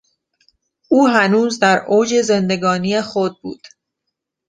او هنوز در اوج زندگانی خود بود.